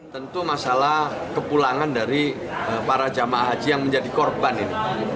tentu masalah kepulangan dari para jamaah haji yang menjadi korban ini